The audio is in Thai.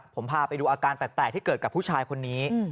ผมพาไปดูอาการแปลกที่เกิดกับผู้ชายคนนี้